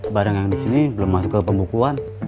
barang yang disini belum masuk ke pembukuan